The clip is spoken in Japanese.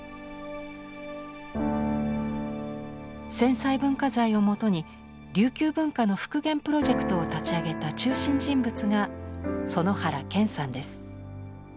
戦災文化財をもとに琉球文化の復元プロジェクトを立ち上げた中心人物が園原謙さんです。